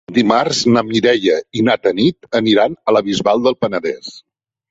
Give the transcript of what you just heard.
Dimarts na Mireia i na Tanit aniran a la Bisbal del Penedès.